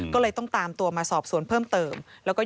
ก็เลยต้องตามตัวมาสอบสวนเพิ่มเติม